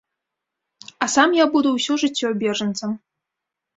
А сам я буду ўсё жыццё бежанцам.